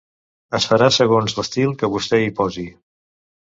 Es farà segons l'Estil que vostè hi posi…